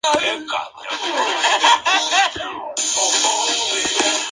George's Knights de Alessandria.